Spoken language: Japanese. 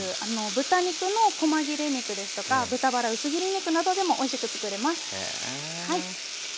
豚肉のこま切れ肉ですとか豚バラ薄切り肉などでもおいしく作れます。